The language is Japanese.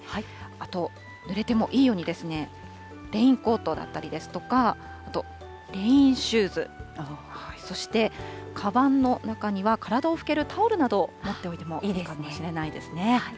あと、ぬれてもいいようにレインコートだったりですとか、あと、レインシューズ、そして、かばんの中には体を拭けるタオルなどを持っておいてもいいかもしれないですね。